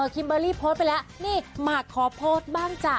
คิมเบอร์รี่โพสต์ไปแล้วนี่หมากขอโพสต์บ้างจ้ะ